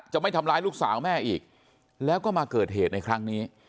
ไม่ทำร้ายลูกสาวแม่อีกแล้วก็มาเกิดเหตุในครั้งนี้